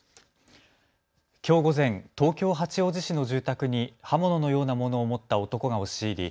きょう午前、東京八王子市の住宅に刃物のようなものを持った男が押し入り